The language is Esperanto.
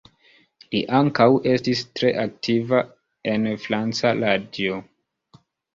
Li ankaŭ estis tre aktiva en franca radio.